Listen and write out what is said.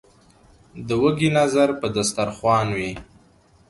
ـ د وږي نظر په دستر خوان وي.